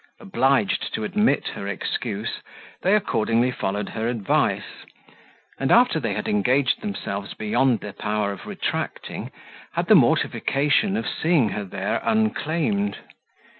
Obliged to admit her excuse, they accordingly followed her advice; and after they had engaged themselves beyond the power of retracting, had the mortification of seeing her there unclaimed.